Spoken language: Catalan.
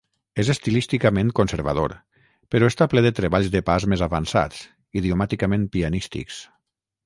És estilísticament conservador, però està ple de treballs de pas més avançats, idiomàticament pianístics.